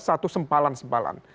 tetap ada satu sempalan sempalan